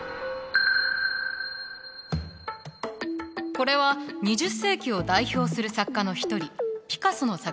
これは２０世紀を代表する作家の一人ピカソの作品よ。